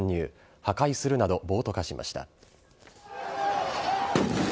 破壊するなど暴徒化しました。